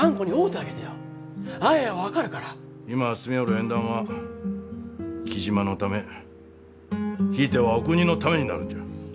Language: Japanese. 今進みょおる縁談は雉真のためひいてはお国のためになるんじゃ。